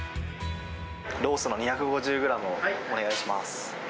ロースの２５０グラムをお願いします。